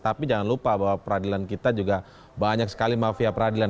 tapi jangan lupa bahwa peradilan kita juga banyak sekali mafia peradilan